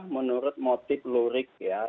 menurut motif lurik ya